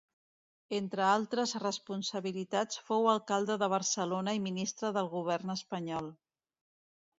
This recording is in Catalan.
Entre altres responsabilitats fou alcalde de Barcelona i ministre del govern espanyol.